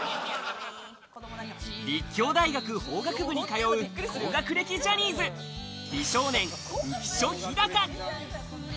立教大学法学部に通う高学歴ジャニーズ、「美少年」浮所飛貴。